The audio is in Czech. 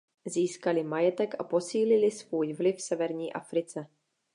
Získali majetek a posílili svůj vliv v severní Africe.